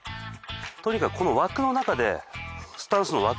とにかくこの枠の中で。